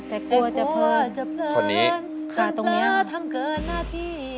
แต่กลัวจะเพิ่มจนเพล่าทำเกินหน้าที่